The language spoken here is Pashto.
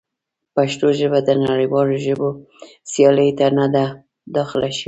پښتو ژبه د نړیوالو ژبو سیالۍ ته نه ده داخله شوې.